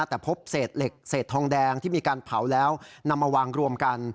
แต่พบเศษเหล็กเศษทองแดงที่มีการเผาแล้วนำมาวางรวมกัน